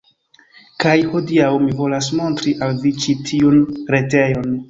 Kaj hodiaŭ mi volas montri al vi ĉi tiun retejon